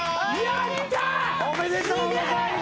やった！おめでとうございます！